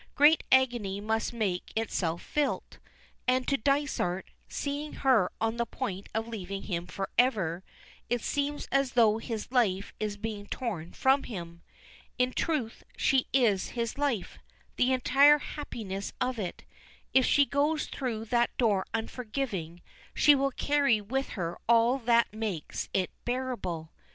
Great agony must make itself felt, and to Dysart, seeing her on the point of leaving him forever, it seems as though his life is being torn from him. In truth she is his life, the entire happiness of it if she goes through that door unforgiving, she will carry with her all that makes it bearable.